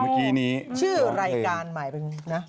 คุณพิทัยอยู่ภายใกล้งานอยู่เมื่อกี้นี้